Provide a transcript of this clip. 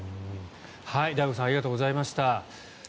醍醐さんありがとうございました。